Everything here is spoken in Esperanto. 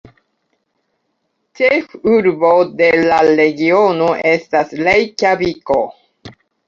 Ĉefurbo de la regiono estas Rejkjaviko.